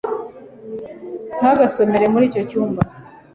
ntugasomere muri icyo cyumba